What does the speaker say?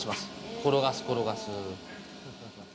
転がす転がす。